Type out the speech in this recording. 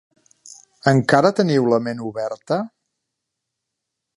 Encara teniu la ment oberta?